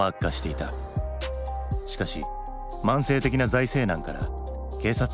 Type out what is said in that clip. しかし慢性的な財政難から警察官は削減。